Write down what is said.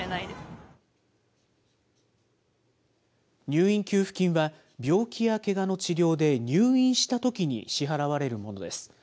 入院給付金は、病気やけがの治療で入院したときに支払われるものです。